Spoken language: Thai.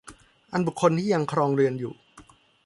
อันบุคคลที่ยังครองเรือนอยู่